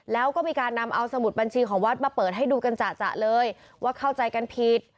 แล้วก็มีการนำเอาสมุดบัญชีของวัดมาเปิดให้ดูกันจ่ะเลยว่าเข้าใจกันผิด